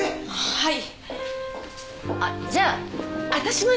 はい。